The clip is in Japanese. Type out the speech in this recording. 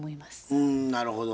うんなるほど。